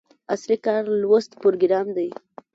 اصلي کار لوست پروګرام دی.